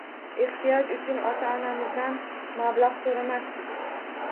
Ehtiyoj uchun ota-onamizdan mablag‘ so’ramasdik.